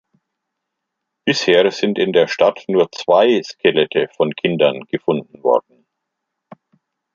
Bisher sind in der Stadt nur zwei Skelette von Kindern gefunden worden.